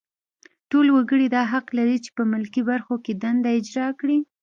ټول وګړي دا حق لري چې په ملکي برخو کې دنده اجرا کړي.